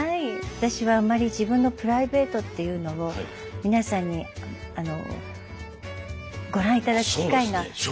私はあんまり自分のプライベートっていうのを皆さんにあのご覧頂く機会が。